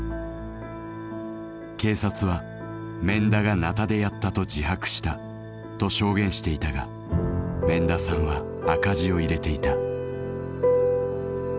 警察は「免田が鉈でやったと自白した」と証言していたが免田さんは赤字を入れていた。